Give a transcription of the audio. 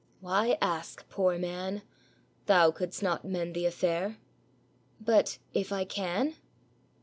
"Why ask, poor man? Thou couldst not mend the affair." "But if lean?"